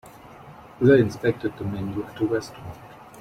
They inspected the menu at the restaurant.